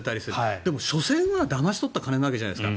でも所詮は、だまし取った金なわけじゃないですか。